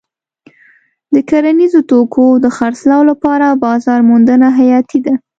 د کرنیزو توکو د خرڅلاو لپاره بازار موندنه حیاتي ده.